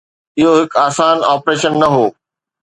اهو هڪ آسان آپريشن نه هو.